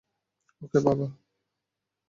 ওকে, বাবা।